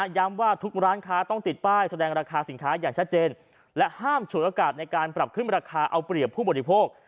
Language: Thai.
ว่าทุกร้านค้าต้องติดป้ายแสดงราคาสินค้าอย่างชัดเจนและห้ามฉวยโอกาสในการปรับขึ้นราคาเอาเปรียบผู้บริโภค